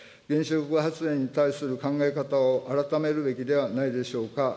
原子力発電に対する考え方を改めるべきではないでしょうか。